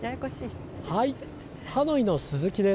ハノイの鈴木です。